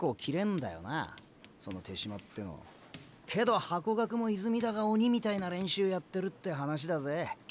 けどハコガクも泉田が鬼みたいな練習やってるって話だぜ。